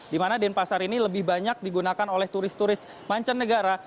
di mana denpasar ini lebih banyak digunakan oleh turis turis mancanegara